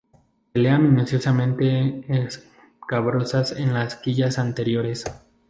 Pálea minuciosamente escabrosas en las quillas anteriores.